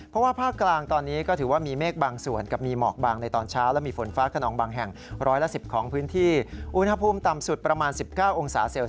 เพราะว่าภาคกลางตอนนี้ก็ถือว่ามีเมฆบางส่วนกับมีหมอกบางในตอนเช้า